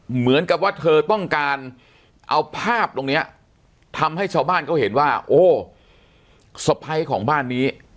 เหมือนกับว่าเธอต้องการเอาภาพตรงนี้ทำให้ชาวบ้านเขาเห็นว่าโอ้สะพ้ายของบ้านนี้